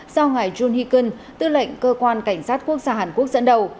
sau ngày junhikun tư lệnh cơ quan cảnh sát quốc gia hàn quốc dẫn đầu